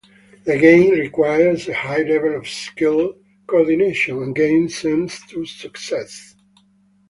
The game requires a high level of skill, coordination, and game sense to succeed.